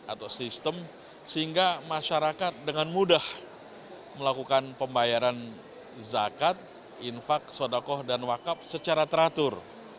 atau sistem sehingga masyarakat dengan mudah melakukan pembayaran zakat infak sodokoh dan wakaf secara teratur